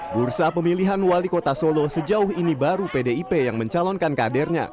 bursa pemilihan wali kota solo sejauh ini baru pdip yang mencalonkan kadernya